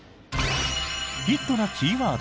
ヒットなキーワード